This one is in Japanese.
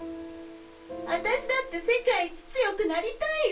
私だって世界一強くなりたいよ